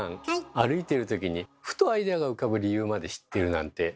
歩いてるときにふとアイデアが浮かぶ理由まで知ってるなんて